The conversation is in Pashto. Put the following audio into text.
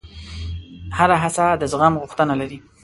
هره هڅه د زغم غوښتنه لري.